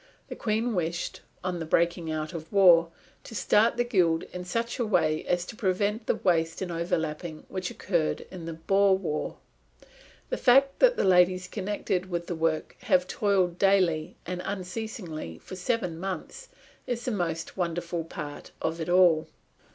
The Queen wished, on the breaking out of war, to start the Guild in such a way as to prevent the waste and overlapping which occurred in the Boer War.... The fact that the ladies connected with the work have toiled daily and unceasingly for seven months is the most wonderful part of it all."